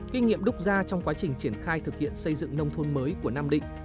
kinh nghiệm đúc ra trong quá trình triển khai thực hiện xây dựng nông thôn mới của nam định